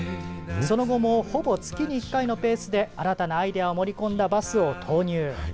その後もほぼ月に１回のペースで新たなアイデアを盛り込んだバスを投入。